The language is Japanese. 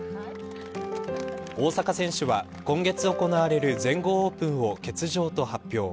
大坂選手は今、月行われる全豪オープンを欠場と発表。